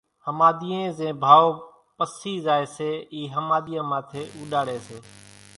ۿماۮِيئين زين ڀائو پسي زائي سي اِي ۿماۮيان ماٿيَ اُوڏاڙي سي